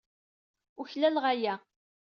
Uklaleɣ aya.